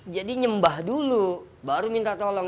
jadi nyembah dulu baru minta tolong